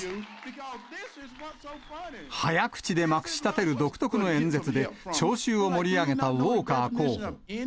早口でまくし立てる独特の演説で、聴衆を盛り上げたウォーカー候補。